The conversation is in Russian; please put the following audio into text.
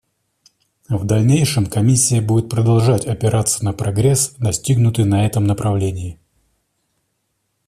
В дальнейшем Комиссия будет продолжать опираться на прогресс, достигнутый на этом направлении.